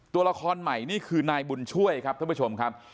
ตัวละครใหม่นี่คือนายบุญช่วยครับท่านผู้ชมครับ